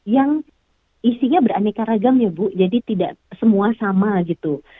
yang isinya beraneka ragam ya bu jadi tidak semua sama gitu